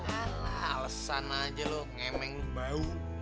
alah alesan aja lu ngemeng lu bau